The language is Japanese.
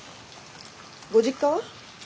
ご実家は？